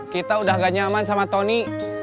kita udah gak nyaman sama tony